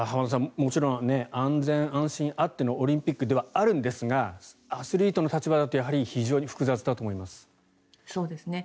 もちろん安全安心あってのオリンピックではあるんですがアスリートの立場だと非常に複雑だと思います。